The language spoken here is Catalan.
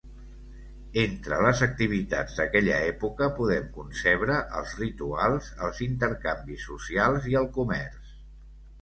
Entre les activitats d'aquella època, podem concebre els rituals, els intercanvis socials i el comerç.